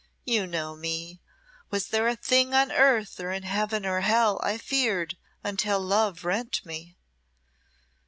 You know me. Was there a thing on earth or in heaven or hell I feared until love rent me.